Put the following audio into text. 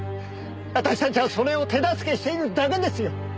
私たちはそれを手助けしているだけですよ。